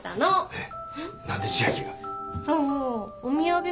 えっ！？